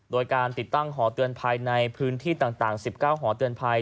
โดยการติดตั้งหอเตือนภัยในพื้นที่ต่าง๑๙หอเตือนภัย